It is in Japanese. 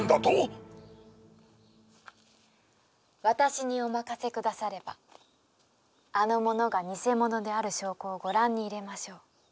私にお任せくださればあの者が偽者である証拠をご覧に入れましょう。